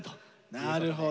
なるほど。